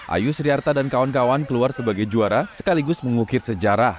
ayu sriarta dan kawan kawan keluar sebagai juara sekaligus mengukir sejarah